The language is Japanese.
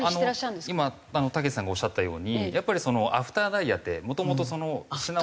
今たけしさんがおっしゃったようにやっぱりアフターダイヤってもともとその品物はないので。